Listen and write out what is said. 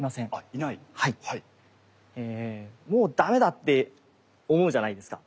もう駄目だって思うじゃないですか。